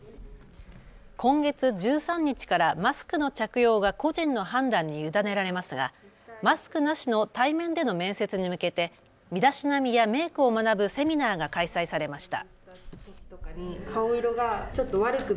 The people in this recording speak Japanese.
今月１３日からマスクの着用が個人の判断に委ねられますがマスクなしの対面での面接に向けて身だしなみやメークを学ぶセミナーが開催されました。